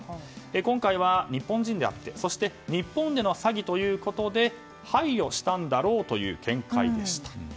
今回は日本人であってそして日本での詐欺ということで配慮したんだろうという見解でした。